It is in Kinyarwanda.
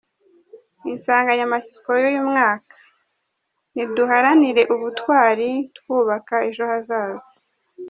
Insanganyamatsiko y’uyu mwaka ni : "Duharanire Ubutwari, twubaka ejo hazaza".